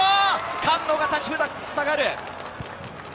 菅野が立ちふさがる。